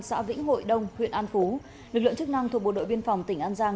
xã vĩnh hội đông huyện an phú lực lượng chức năng thuộc bộ đội biên phòng tỉnh an giang